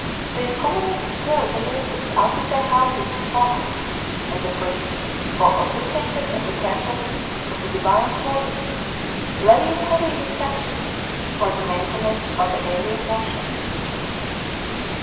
These colonists drove £Ke natives out of their houses and farms, and the priests who officiated at the temple of the Divine Clau*lius, levied heavy enactions for the maintenance of the alien worship.